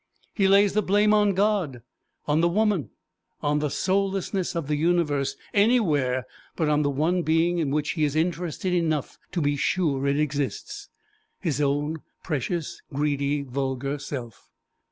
He lays the blame on God, on the woman, on the soullessness of the universe anywhere but on the one being in which he is interested enough to be sure it exists his own precious, greedy, vulgar self.